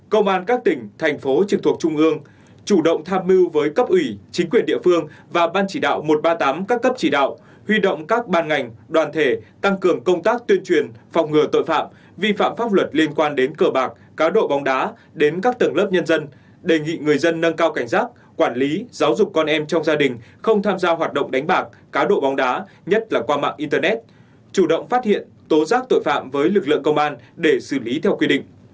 ba công an các tỉnh thành phố trực thuộc trung ương chủ động tham mưu với cấp ủy chính quyền địa phương và ban chỉ đạo một trăm ba mươi tám các cấp chỉ đạo huy động các ban ngành đoàn thể tăng cường công tác tuyên truyền phòng ngừa tội phạm vi phạm pháp luật liên quan đến cờ bạc cá độ bóng đá đến các tầng lớp nhân dân đề nghị người dân nâng cao cảnh giác quản lý giáo dục con em trong gia đình không tham gia hoạt động đánh bạc cá độ bóng đá nhất là qua mạng internet chủ động phát hiện tố giác tội phạm với lực lượng công an để xử lý theo quy đị